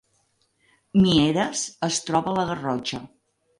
Mieres es troba a la Garrotxa